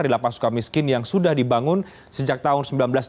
di lapa suka miskin yang sudah dibangun sejak tahun seribu sembilan ratus delapan belas